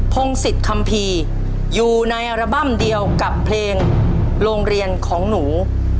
พงศิษย์คัมภีร์อยู่ในอัลบั้มเดียวกับเพลงโรงเรียนของหนู